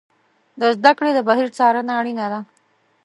د زده کړې د بهیر څارنه اړینه ده.